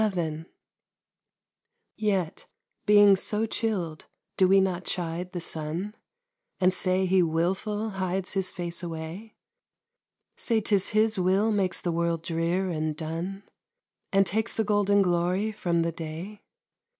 VII Yet, being so chill'd, do we not chide the sun, And say he wilful hides his face away, Say 'tis his will makes the world drear and dun, And takes the golden glory from the day?